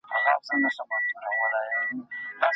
خلګو ته هيڅکله پيغور مه ورکوئ.